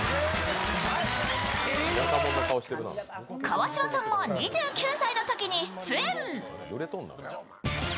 川島さんも２９歳のときに出演。